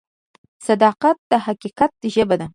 صداقت د حقیقت ژبه ده.